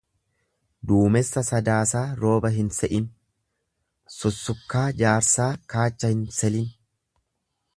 Duumessa sadaasaa rooba hin se'in, sussukkaa jaarsaa kaacha hin selin.